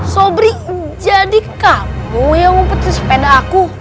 sobri jadi kamu yang mengikuti sepeda aku